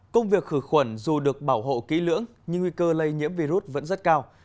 công việc khử khuẩn dù được bảo hộ kỹ lưỡng nhưng nguy cơ lây nhiễm virus vẫn rất cao